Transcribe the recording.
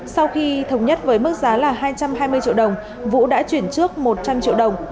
sau khi thống nhất với mức giá là hai trăm hai mươi triệu đồng vũ đã chuyển trước một trăm linh triệu đồng